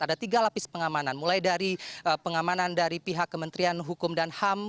ada tiga lapis pengamanan mulai dari pengamanan dari pihak kementerian hukum dan ham